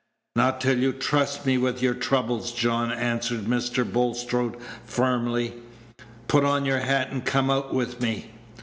"Not till you trust me with your troubles, John," answered Mr. Bulstrode, firmly. "Put on your hat, and come out with me.